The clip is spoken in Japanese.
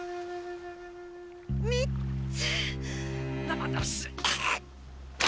みっつ！